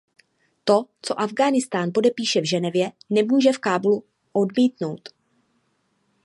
To, co Afghánistán podepíše v Ženevě, nemůže v Kábulu odmítnout.